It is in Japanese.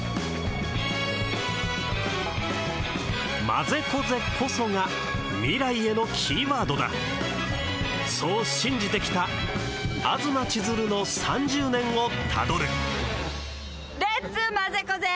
「まぜこぜ」こそが未来へのキーワードだそう信じてきた東ちづるの３０年をたどるレッツまぜこぜ！